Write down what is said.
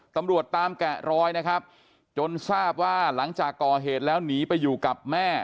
ตำรวจตามแกะรอยนะครับจนทราบว่าหลังจากก่อเหตุแล้วหนีไปอยู่กับแม่